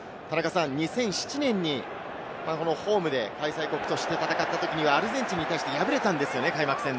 ２００７年にホームで開催国として戦ったときにはアルゼンチンに対して敗れたんですよ